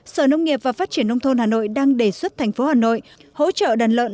sở nông nghiệp và phát triển nông thôn hà nội đang đề xuất thành phố hà nội hỗ trợ đàn lợn